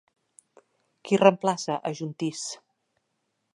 Qui reemplaça a Juntís?